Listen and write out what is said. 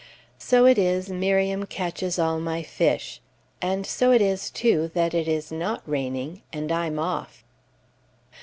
So it is Miriam catches all my fish and so it is, too, that it is not raining, and I'm off.